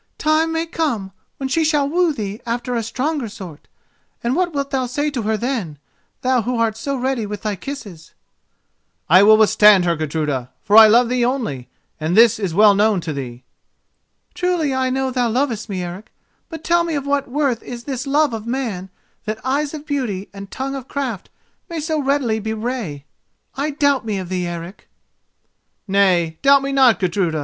Time may come when she shall woo thee after a stronger sort, and what wilt thou say to her then, thou who art so ready with thy kisses?" "I will withstand her, Gudruda, for I love thee only, and this is well known to thee." "Truly I know thou lovest me, Eric; but tell me of what worth is this love of man that eyes of beauty and tongue of craft may so readily bewray? I doubt me of thee, Eric!" "Nay, doubt me not, Gudruda.